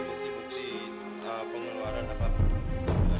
ini bukti bukti pengeluaran apa